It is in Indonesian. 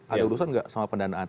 ada urusan nggak sama pendanaan